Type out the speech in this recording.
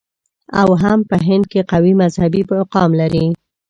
او هم په هند کې قوي مذهبي مقام لري.